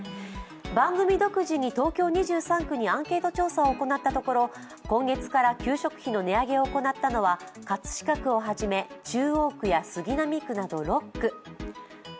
番組独自に東京２３区にアンケート調査を行ったところ今月から給食費の値上げを行ったのは葛飾区をはじめ中央区や杉並区など６区。